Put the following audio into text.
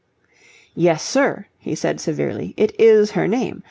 "Yes, sir," he said severely, "it is her name.